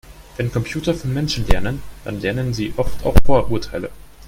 Wenn Computer von Menschen lernen, dann lernen sie oft auch Vorurteile.